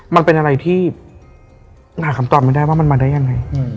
มันเป็นอะไรที่มันหาคำตอบไม่ได้ว่ามันมาได้ยังไง